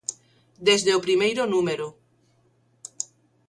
Desde o primeiro número.